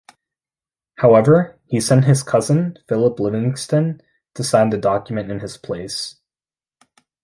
However, he sent his cousin, Philip Livingston, to sign the document in his place.